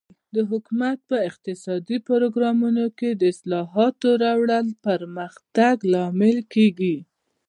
د حکومت په اقتصادي پروګرامونو کې د اصلاحاتو راوړل د پرمختګ لامل کیږي.